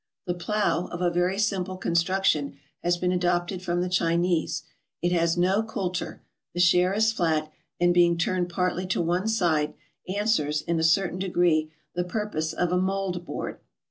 The plow, of a very simple construction, has been adopted from the Chinese ; it has no coulter, the share is flat, and being turned partly to one side, answers, in a certain degree the purpose of a mold board.